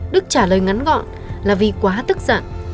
đức trả lời ngắn gọn là vì quá tức giận